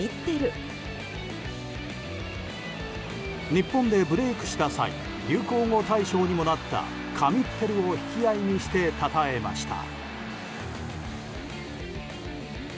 日本でブレークした際流行語大賞にもなった「神ってる」を引き合いにしてたたえました。